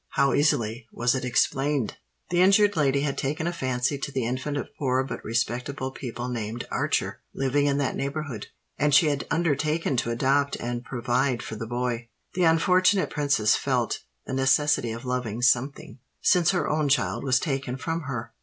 how easily was it explained! The injured lady had taken a fancy to the infant of poor but respectable people named Archer, living in that neighbourhood; and she had undertaken to adopt and provide for the boy. The unfortunate Princess felt the necessity of loving something—since her own child was taken from her.